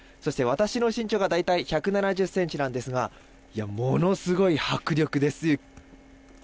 私の身長が大体１７０ｃｍなんですがものすごい迫力です。